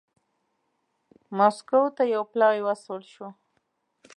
مسکو ته یو پلاوی واستول شو.